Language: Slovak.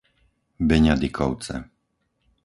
Beňadikovce